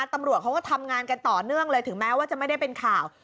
ตำรวจเขาก็ทำงานกันต่อเนื่องเลยถึงแม้ว่าจะไม่ได้เป็นข่าว